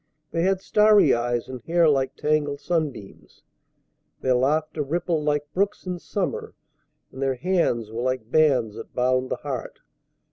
They had starry eyes and hair like tangled sunbeams. Their laughter rippled like brooks in summer, and their hands were like bands that bound the heart.